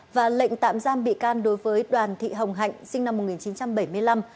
và lệnh tạm giam bị can đối với đoàn thị hồng hạnh sinh năm một nghìn chín trăm bảy mươi năm